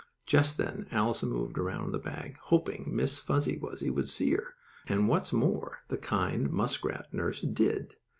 Just then Alice moved around in the bag, hoping Miss Fuzzy Wuzzy would see her, and what's more, the kind muskrat nurse did.